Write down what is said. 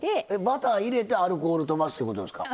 バター入れてアルコールとばすってことですか？